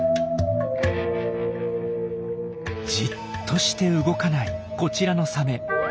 じっとして動かないこちらのサメ。